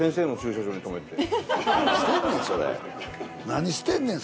何してんねん。